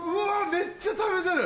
めっちゃ食べてる！